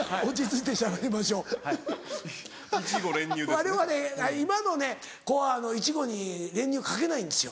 われわれ今の子はいちごに練乳かけないんですよ。